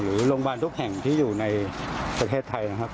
โรงพยาบาลทุกแห่งที่อยู่ในประเทศไทยนะครับ